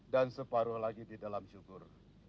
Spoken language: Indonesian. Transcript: dan separuh lagi di dalam syukur